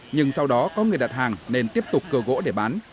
nhưng sau đó có người đặt hàng nên tiếp tục cưa gỗ để bán